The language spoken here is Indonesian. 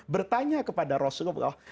bertanya kepada rasulullah